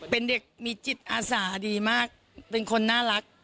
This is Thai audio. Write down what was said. เป็นเด็กมีจิตอาสาดีมากเป็นคนน่ารัก